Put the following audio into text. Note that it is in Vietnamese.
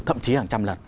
thậm chí hàng trăm lần